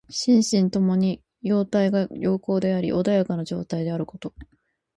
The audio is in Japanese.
心身ともに様態が良好であり穏やかな状態であること。